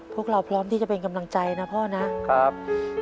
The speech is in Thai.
พวกเราพร้อมที่จะเป็นกำลังใจนะพ่อนะครับ